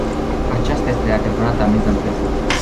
Aceasta este adevărata miză în prezent.